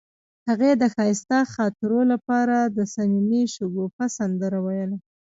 هغې د ښایسته خاطرو لپاره د صمیمي شګوفه سندره ویله.